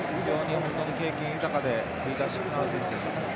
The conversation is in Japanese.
経験豊かでリーダーシップのある選手です。